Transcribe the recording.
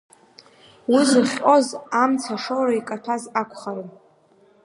Уи зыхҟьоз амца шоура икатәаз акәхарын.